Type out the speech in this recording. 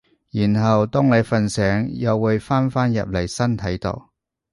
然後當你瞓醒又會返返入嚟身體度